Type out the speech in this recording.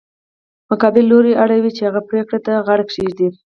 مقابل لوری اړ وي چې هغې پرېکړې ته غاړه کېږدي.